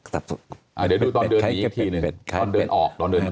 เดี๋ยวดูตอนเดินหนีอีกทีหนึ่ง